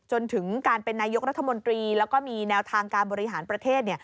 จนถึงการเป็นนายกรัฐมนตรีแล้วก็มีแนวทางการบริหารประเทศ